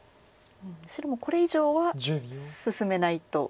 白もこれ以上は進めない。